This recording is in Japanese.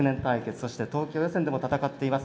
そして東京予選でも戦っています。